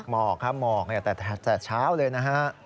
หมอกครับหมอกแต่เช้าเลยนะฮะ